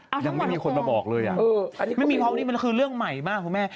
เอาทั้งหมดละครอบครับอืมอันนี้ก็ไม่รู้มันคือเรื่องใหม่มากคุณแม่